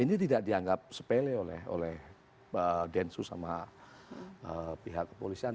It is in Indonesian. ini tidak dianggap sepele oleh densu sama pihak kepolisian